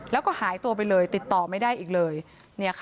แล้วก็หายตัวไปเลยติดต่อไม่ได้อีกเลย